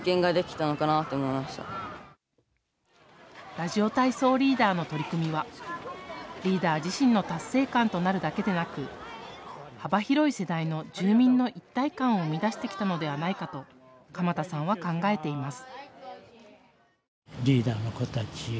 ラジオ体操リーダーの取り組みはリーダー自身の達成感となるだけでなく幅広い世代の住民の一体感を生み出してきたのではないかと鎌田さんは考えています。